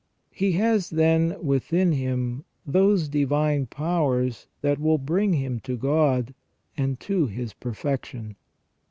He has, then, within him those divine powers that will bring him to God, and to his perfection.